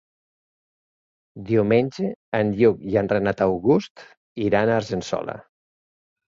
Diumenge en Lluc i en Renat August iran a Argençola.